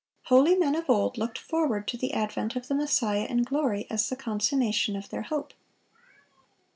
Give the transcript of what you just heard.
Holy men of old looked forward to the advent of the Messiah in glory, as the consummation of their hope.